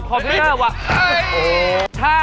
ผิด